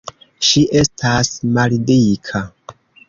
Ŝi estas maldika.